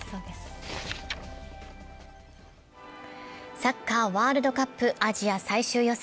サッカーワールドカップ、アジア最終予選。